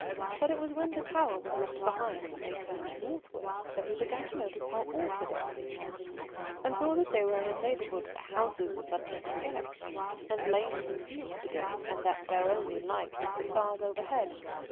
But it was when the Tower was left behind and they turned northwards that he began to notice how altered everything was, and saw that they were in a neighbourhood where houses were suddenly scarce, and lanes and fields beginning, and that their only light was the stars overhead.